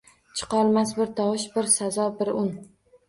Chiqolmas bir tovush, bir sazo, bir un